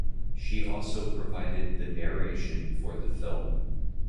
She also provided the narration for the film.